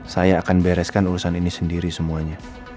saya akan bereskan urusan ini sendiri semuanya